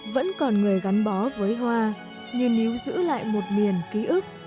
vẫn còn người gắn bó với hoa nhưng nếu giữ lại một miền ký ức